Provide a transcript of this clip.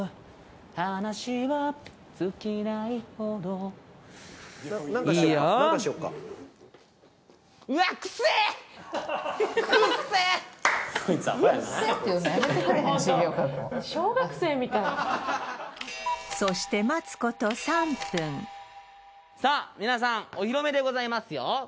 話は尽きないほどいいよそして待つこと３分さあ皆さんお披露目でございますよ